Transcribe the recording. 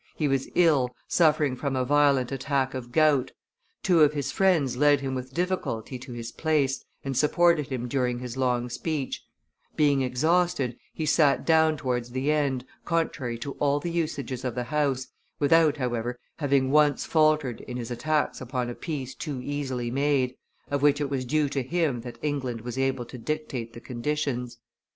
He was ill, suffering from a violent attack of gout; two of his friends led him with difficulty to his place, and supported him during his long speech; being exhausted, he sat down towards the end, contrary to all the usages of the House, without, however, having once faltered in his attacks upon a peace too easily made, of which it was due to him that England was able to dictate the conditions.